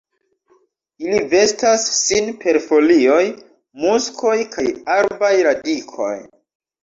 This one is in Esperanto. Ili vestas sin per folioj, muskoj kaj arbaj radikoj.